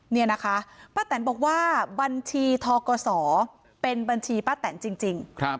นี่นะคะป้าแตนบอกว่าบัญชีทกศเป็นบัญชีป้าแตนจริง